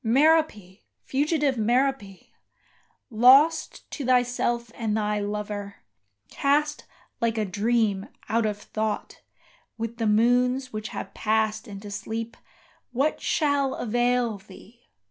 Merope fugitive Merope! lost to thyself and thy lover, Cast, like a dream, out of thought, with the moons which have passed into sleep, What shall avail thee?